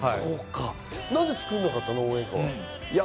何で作んなかったの？